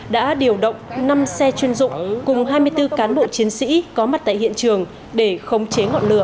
đã điều động năm xe chuyên dụng cùng hai mươi bốn cán bộ chiến sĩ có mặt tại hiện trường để khống chế ngọn lửa